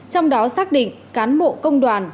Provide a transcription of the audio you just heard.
trong đó xác định cán bộ công đoàn